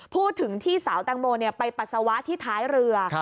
พูดถึงที่สาวแตงโมไปปัสสาวะที่ท้ายเรือ